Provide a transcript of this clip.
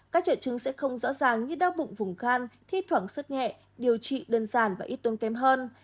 các triệu chứng sẽ không rõ ràng như đau bụng vùng can thi thoảng xuất nhẹ điều trị đơn giản và ít tôn kém hơn